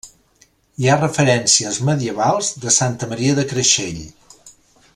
Hi ha referències medievals de Santa Maria de Creixell.